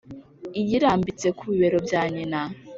iyirambitse ku bibero bya nyina.